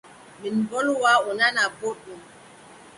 Min mbolwa o nana boɗɗum.